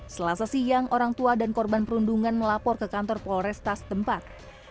selasa siang orang tua dan korban perundungan melapor ke kantor polresta setempat